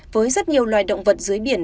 với rất nhiều loài động vật dưới biển